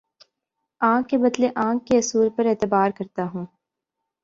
آنکھ کے بدلے آنکھ کے اصول پر اعتبار کرتا ہوں